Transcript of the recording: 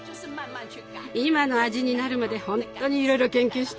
今の味になるまでほんとにいろいろ研究したわ。